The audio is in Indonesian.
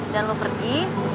dan lu pergi